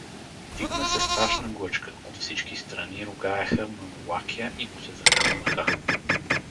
Дигна се страшна глъчка, от всички страни ругаеха Манолакя и му се заканваха.